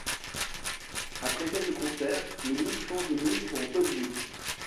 Après quelques concerts, le groupe change de nom pour Dogwood.